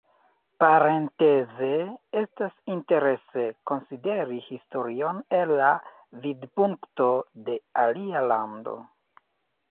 Parenteze, estas interese konsideri historion el la vidpunkto de alia lando.